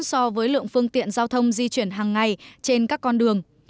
so với lượng phương tiện giao thông di chuyển hàng ngày trên các con đường